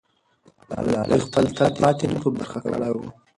ملالۍ خپل تل پاتې نوم په برخه کړی وو.